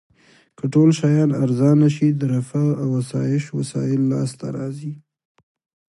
که ټول شیان ارزانه شي د رفاه او اسایش وسایل لاس ته راځي.